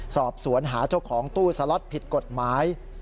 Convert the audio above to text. สอบสวนหาเจ้าของตู้สล็อตผิดกฎหมาย